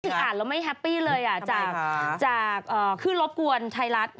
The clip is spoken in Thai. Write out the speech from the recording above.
อ่านแล้วไม่แฮปปี้เลยจากขึ้นรบกวนไทยรัฐ